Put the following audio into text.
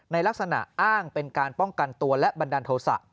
ลักษณะอ้างเป็นการป้องกันตัวและบันดาลโทษะ